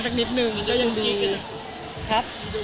สักนิดนึงค่ะ